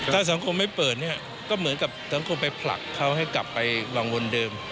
ถ้าสังคมไม่เปิดเนี่ยก็เหมือนกับสังคมไปผลักเขาให้กลับไปวังวนเดิม